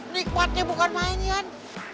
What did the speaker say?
nikmatnya bukan main yan